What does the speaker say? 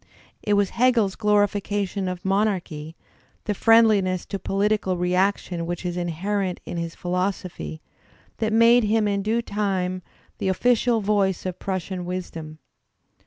It was Hegel's glorification of monarchy, the friendliness to political reaction which is inherent in his philosophy, that made him in due time the ofiicial voice of Digitized by Google EMERSON 49 Prussian wisdom.